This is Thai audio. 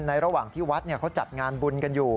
ระหว่างที่วัดเขาจัดงานบุญกันอยู่